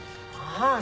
ああ